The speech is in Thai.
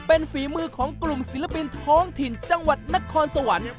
เป็นฝีมือของกลุ่มศิลปินท้องถิ่นจังหวัดนครสวรรค์